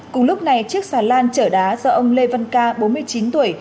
cùng lúc này chiếc xà lan chở đá do ông lê văn ca bốn mươi chín tuổi